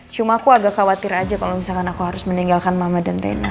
cuma aku agak khawatir aja kalau misalkan aku harus meninggalkan mama dan rena